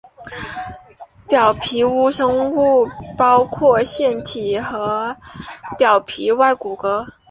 表皮衍生物包括腺体和表皮外骨骼。